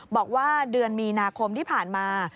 บอกว่าเดือนมีนาคมที่ผ่านมา